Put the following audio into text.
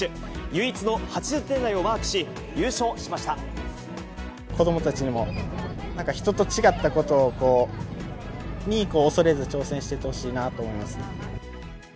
唯一の８０点台をマークし、子どもたちにも、なんか人と違ったことに、恐れず挑戦していってほしいなと思います。